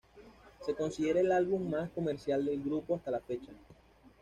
Se considera el álbum más comercial del grupo hasta la fecha.